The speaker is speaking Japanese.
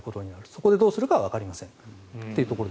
そこでどうするかはわかりません。